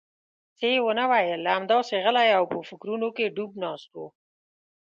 څه یې ونه ویل، همداسې غلی او په فکرونو کې ډوب ناست و.